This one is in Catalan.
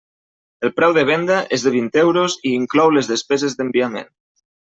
El preu de venda és de vint euros i inclou les despeses d'enviament.